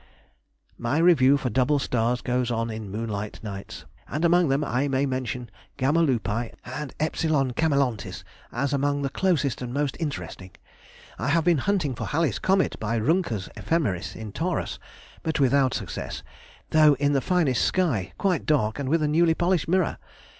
D. My review for double stars goes on in moonlight nights, and among them I may mention γ Lupi and ε Chameleontis as among the closest and most interesting. I have been hunting for Halley's comet by Rümker's Ephemeris in Taurus, but without success, though in the finest sky, quite dark, and with a newly polished mirror.